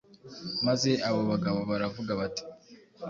Maze aba bagabo baravuga bati,